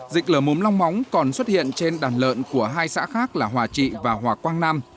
dịch lở mồm long móng còn xuất hiện trên đàn lợn của hai xã khác là hòa trị và hòa quang nam